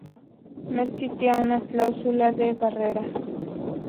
No existía una cláusula de barrera.